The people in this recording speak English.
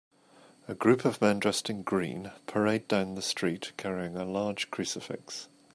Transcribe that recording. A group of men dressed in green parade down the street carrying a large crucifix.